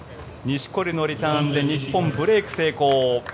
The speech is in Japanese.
錦織のリターンで日本、ブレーク成功。